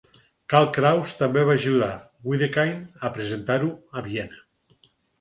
Karl Kraus també va ajudar Wedekind a representar-ho a Viena.